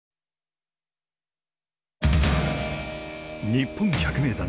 日本百名山